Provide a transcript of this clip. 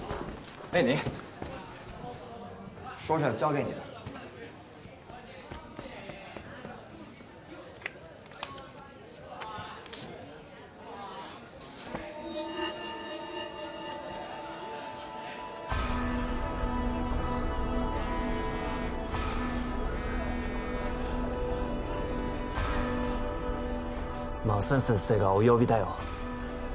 馬森先生がお呼びだよ